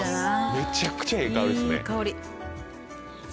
めちゃくちゃええ香りっすね。